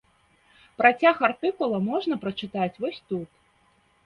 Працяг артыкула можна прачытаць вось тут.